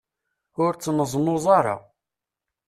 Ur ttneẓnuẓ ara.